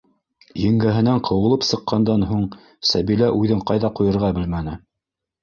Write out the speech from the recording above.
Еңгәһенән ҡыуылып сыҡҡандан һуң Сәбилә үҙен ҡайҙа ҡуйырға белмәне.